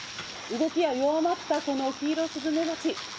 動きが弱まったキイロスズメバチ。